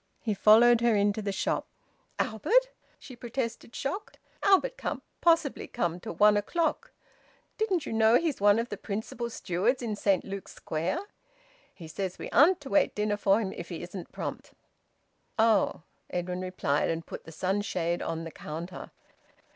He followed her into the shop. "Albert!" she protested, shocked. "Albert can't possibly come till one o'clock. Didn't you know he's one of the principal stewards in Saint Luke's Square? He says we aren't to wait dinner for him if he isn't prompt." "Oh!" Edwin replied, and put the sunshade on the counter.